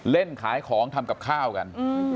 เล่นขายของทำกับข้าวกัน